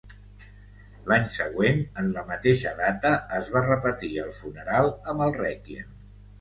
L'any següent en la mateixa data es va repetir el funeral amb el rèquiem.